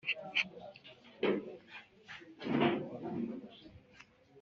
Umuntu wese wifuza amakuru ku mutungo arayahabwa